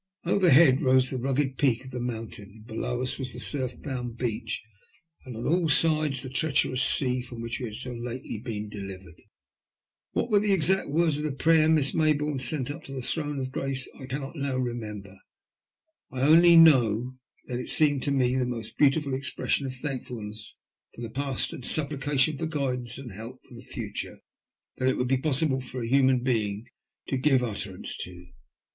Overhead rose the rugged peak of the mountain, below us was the surf bound beach, and on all sides the treacherous sea from which we had so lately been delivered. What were the exact words of the prayer Miss Mayboume sent up to the Throne of Grace I cannot now re member ; I only know it seemed to me the most beautiful expression of thankfulness for the past, and supplication for guidance and help in the future that it would be possible for a human being to give utter ance to.